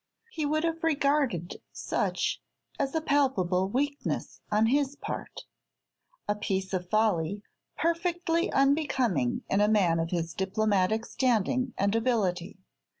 He would have regarded such as a palpable weakness on his part, a piece of folly perfectly unbecoming in a man of his diplomatic standing and ability.